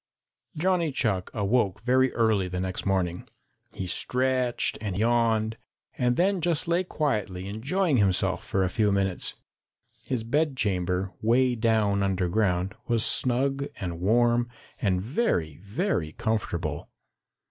Johnny Chuck awoke very early the next morning. He stretched and yawned and then just lay quietly enjoying himself for a few minutes. His bedchamber, way down underground, was snug and warm and very, very comfortable.